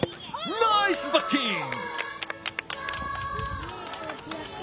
ナイスバッティング！